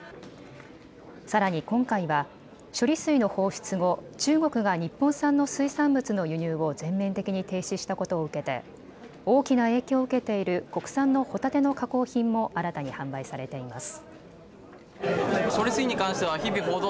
さらに今回は処理水の放出後、中国が日本産の水産物の輸入を全面的に停止したことを受けて大きな影響を受けている国産のホタテの加工品も新たに販売されています。